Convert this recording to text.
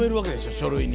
書類に。